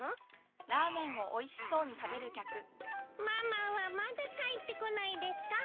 ママはまだ帰ってこないですか？